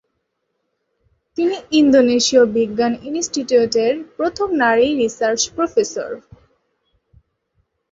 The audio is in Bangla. তিনি ইন্দোনেশীয় বিজ্ঞান ইন্সটিটিউটের প্রথম নারী রিসার্চ প্রফেসর।